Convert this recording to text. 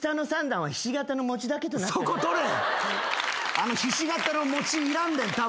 あのひし形の餅いらんねんたぶん。